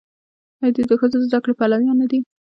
آیا دوی د ښځو د زده کړې پلویان نه دي؟